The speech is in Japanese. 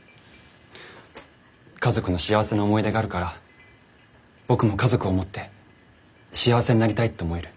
家族の幸せな思い出があるから僕も家族を持って幸せになりたいって思える。